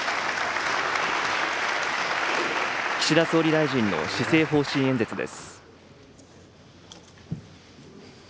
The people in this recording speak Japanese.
岸田総理大臣の施政方針演説です。